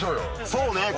そうね。